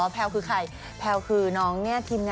แพลวคือใครแพลวคือน้องเนี่ย